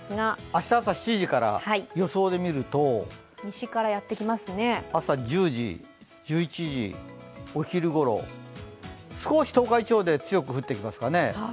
明日朝７時から予想でみるとお昼ごろ、少し東海地方で強く降ってきますかね。